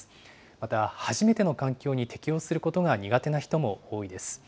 また、初めての環境に適応することが苦手な人も多いです。